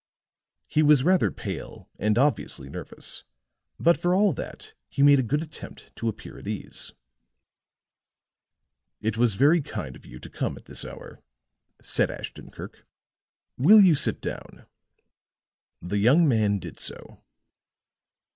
He was rather pale and obviously nervous; but for all that he made a good attempt to appear at ease. "It was very kind of you to come at this hour," said Ashton Kirk. "Will you sit down?" The young man did so.